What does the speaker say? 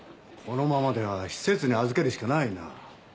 このままでは施設に預けるしかないな。